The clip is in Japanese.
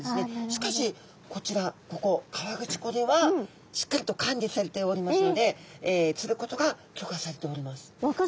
しかしこちらここ河口湖ではしっかりと管理されておりますので釣ることが許可されております。